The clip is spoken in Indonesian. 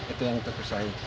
itu yang kita kosai